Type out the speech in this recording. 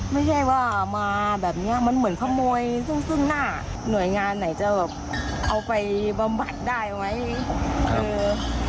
ไม่ใช่ว่ามาแบบเนี้ยมันเหมือนขโมยซึ่งซึ่งหน้าหน่วยงานไหนจะแบบเอาไปบำบัดได้ไหมเออ